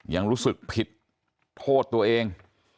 ยังรู้สึกผิดโทษตัวเอง